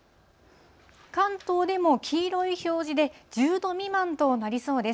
関東でも黄色い表示で１０度未満となりそうです。